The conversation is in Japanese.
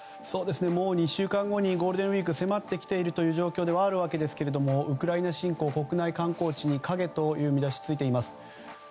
もう２週間後にゴールデンウィークが迫ってきている状況ですがウクライナ侵攻国内観光地に影という見出しがついています。